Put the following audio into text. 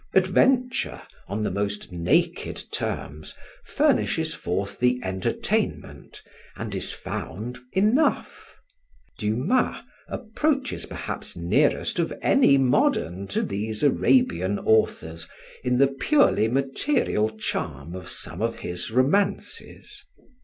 Adventure, on the most naked terms, furnishes forth the entertainment and is found enough. Dumas approaches perhaps nearest of any modern to these Arabian authors in the purely material charm of some of his romances.